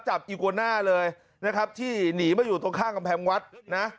อิโกน่าเลยนะครับที่หนีมาอยู่ตรงข้างกำแพงวัดนะ